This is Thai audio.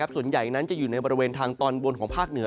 ส่วนใหญ่นั้นจะอยู่ในบริเวณทางตอนบนของภาคเหนือ